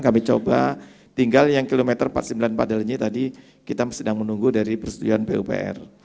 kami coba tinggal yang km empat puluh sembilan padalnyi tadi kita sedang menunggu dari persetujuan pupr